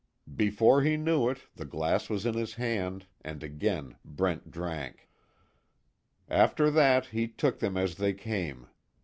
Before he knew it the glass was in his hand, and again Brent drank. After that he took them as they came.